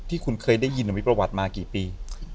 ที่คุณเคยได้ยินแบบวิประวัติเพิ่มมากี่ปี